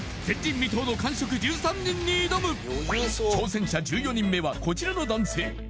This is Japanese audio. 前人未到の完食１３人に挑む挑戦者１４人目はこちらの男性